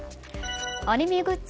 アニメグッズ